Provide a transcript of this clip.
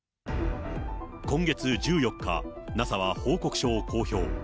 今月１４日、ＮＡＳＡは報告書を公表。